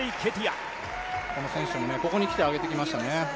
この選手もここにきて上げてきましたね。